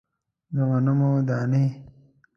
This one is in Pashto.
د غنمو دانې